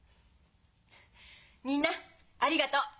みんなありがとう！